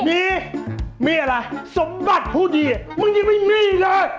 มีมีอะไรสมบัติผู้ดีมึงยังไม่มีเลย